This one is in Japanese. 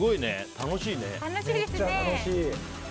楽しいね。